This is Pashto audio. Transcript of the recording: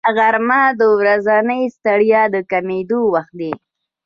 غرمه د ورځنۍ ستړیا د کمېدو وخت دی